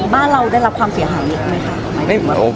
บ้านเราได้รับความเสียหายเยอะไหมคะ